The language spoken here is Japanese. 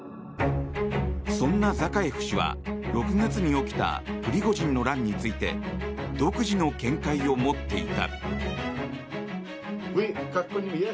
そんなザカエフ氏は６月に起きたプリゴジンの乱について独自の見解を持っていた。